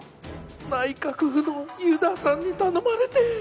内閣府の遊田さんに頼まれて。